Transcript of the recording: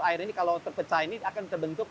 air ini kalau terpecah ini akan terbentuk